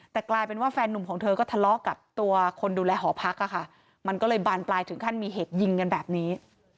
แต่กลายเป็นว่าแฟนนุ่มของเธอก็ทะเลาะกับตัวคนดูแลหอพักอะค่ะมันก็เลยบานปลายถึงขั้นมีเหตุยิงกันแบบนี้